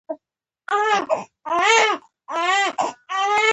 هغې د خوب تر سیوري لاندې د مینې کتاب ولوست.